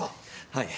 はい。